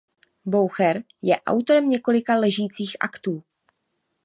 Boucher je autorem několika ležících aktů.